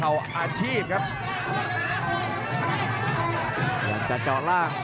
อื้อหือจังหวะขวางแล้วพยายามจะเล่นงานด้วยซอกแต่วงใน